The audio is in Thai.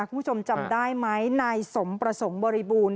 คุณผู้ชมจำได้ไหมนายสมประสงค์บริบูรณ